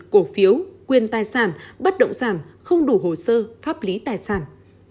cổ phiếu quyền tài sản bất động sản không đủ hồ sơ pháp lý tài sản